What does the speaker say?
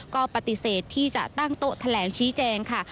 ก็ปฏิเสธที่จะตั้งโต๊ะแถลงชี้แจงค่ะ